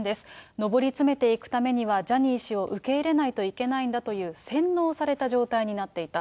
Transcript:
上り詰めていくためには、ジャニー氏を受け入れないといけないんだという洗脳された状態になっていた。